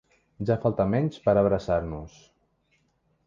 Ja falta menys per abraçar-nos.